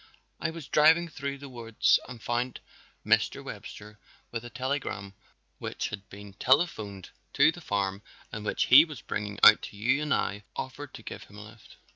I was driving through the woods and found Mr. Webster with a telegram which had been telephoned to the farm and which he was bringing out to you and I offered to give him a lift."